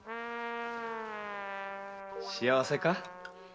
幸せか？